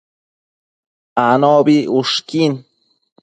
Anobi ushquin